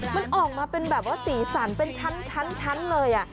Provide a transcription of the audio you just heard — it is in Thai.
มันออกมาเป็นแบบว่าสีสันเป็นชั้นเลย